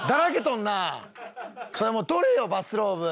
それもう取れよバスローブ！